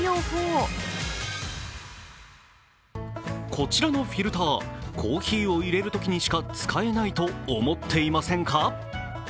こちらのフィルター、コーヒーを入れるときにしか使えないと思っていませんか？